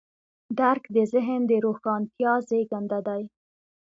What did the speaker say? درک د ذهن د روښانتیا زېږنده دی.